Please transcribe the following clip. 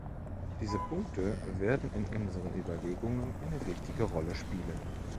Diese Punkte werden in unseren Überlegungen eine wichtige Rolle spielen.